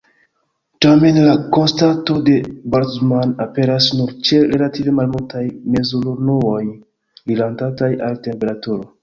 Tamen la konstanto de Boltzmann aperas nur ĉe relative malmultaj mezurunuoj rilatantaj al temperaturo.